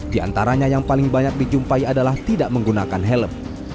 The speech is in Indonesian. di antaranya yang paling banyak dijumpai adalah tidak menggunakan helm